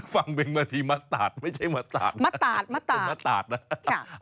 ฟังเป็นเมื่อที่มะตาดไม่ใช่มะตาดมะตาดมะตาดมะตาดค่ะ